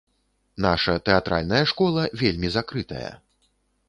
Наша тэатральная школа вельмі закрытая.